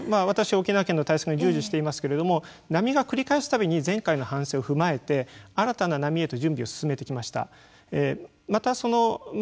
私、沖縄県の対策に従事していますけれども波が繰り返されるたびに前回の反省を踏まえて新たな波へと準備を進めてきました。